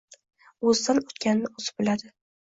O`zidan o`tganini o`zi biladi